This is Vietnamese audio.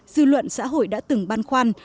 dư luận xã hội đã từng băn khoăn